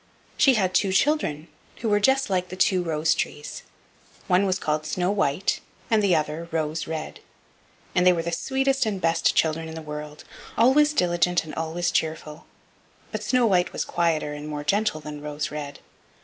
She had two children, who were just like the two rose trees; one was called Snow white and the other Rose red, and they were the sweetest and best children in the world, always diligent and always cheerful; but Snow white was quieter and more gentle than Rose red.